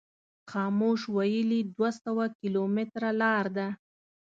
خاموش ویلي دوه سوه کیلومتره لار ده.